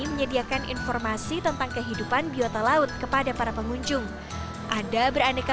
menyediakan informasi tentang kehidupan biota laut kepada para pengunjung ada beraneka